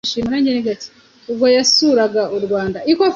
Ubwo yasuraga u Rwanda,